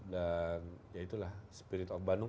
dan ya itulah spirit of bandung